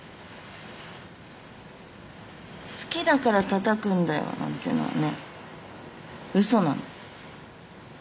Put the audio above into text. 「好きだからたたくんだよ」なんてのはね嘘なの。